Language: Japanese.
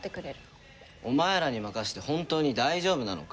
お前らに任せて本当に大丈夫なのか？